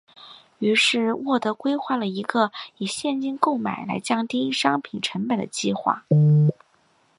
于是沃德规划了一个以现金购买来降低商品成本的计划。